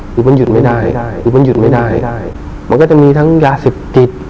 มันหยุดไม่ได้มันก็จะมีทั้งยาศิษย์ติด